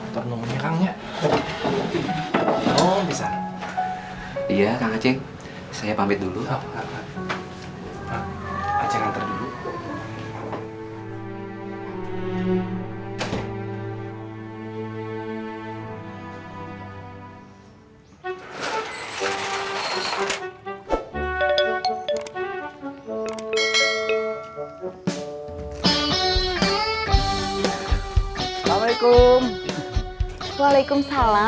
tunggu tunggu ya kang